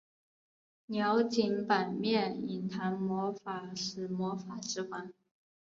鸟井坂面影堂魔法使魔法指环